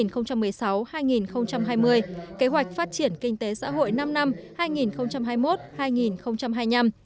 kế hoạch phát triển kinh tế xã hội năm năm hai nghìn một mươi sáu hai nghìn hai mươi